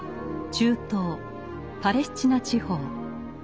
中東パレスチナ地方。